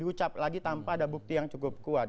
diucap lagi tanpa ada bukti yang cukup kuat